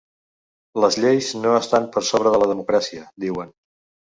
Les lleis no estan per sobre de la democràcia, diuen.